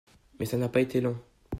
Mais ça n'a pas été long.